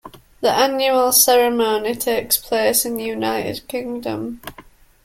The annual ceremony takes place in United Kingdom.